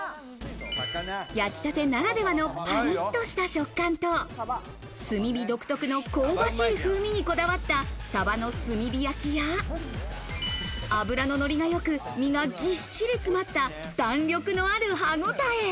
焼きたてならではのパリっとした食感と、炭火独特の香ばしい風味にこだわった、さばの炭火焼きや、脂ののりが良く、身がぎっしり詰まった弾力のある歯ごたえ。